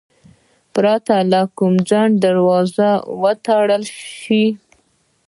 پرته له کوم ځنډه دروازې وتړل شوې.